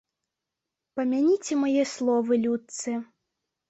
Памяніце мае словы, людцы.